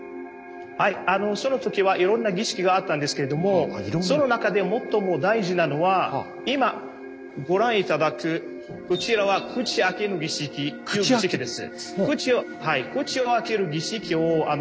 はいその時はいろんな儀式があったんですけれどもその中で最も大事なのは今ご覧頂くこちらは「口開けの儀式」という儀式です。